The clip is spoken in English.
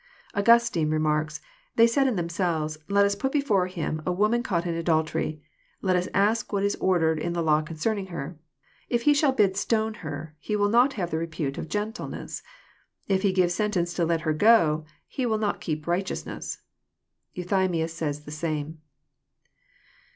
Augustine remarks, '' They said in themselves, ' Let us put before Him a woman caught in adultery ; let us ask what is ordered in the law concerning her; if He shall bid stone her, He will not have the repute of gentleness : if He give sentence to let her go, He will not keep righteousness.' " Euthymius says the same.